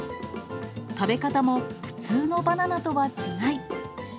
食べ方も、普通のバナナとは違い。